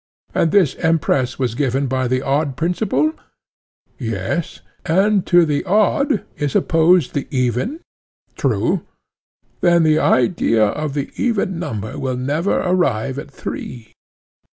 And this impress was given by the odd principle? Yes. And to the odd is opposed the even? True. Then the idea of the even number will never arrive at three?